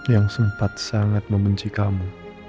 yang sempat sangat membenci kamu